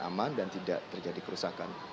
aman dan tidak terjadi kerusakan